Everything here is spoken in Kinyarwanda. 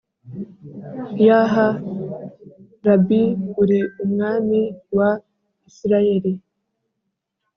Yh Rabi uri Umwami wa Isirayeli